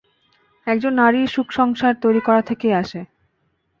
একজন নারীর সুখ সংসার তৈরি করা থেকেই আসে!